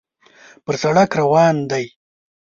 پر سړک روان دی.